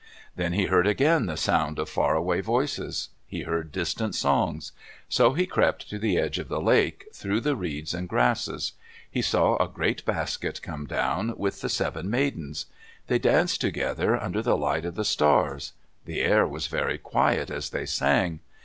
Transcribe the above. Then he heard again the sound of far away voices. He heard distant songs. So he crept to the edge of the lake, through the reeds and grasses. He saw a great basket come down with the seven maidens. They danced together, under the light of the stars. The air was very quiet as they sang.